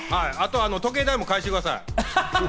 時計代も返してください。